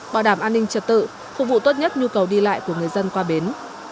bảo đảm an ninh trật tự phục vụ tốt nhất nhu cầu đi lại của người dân qua bến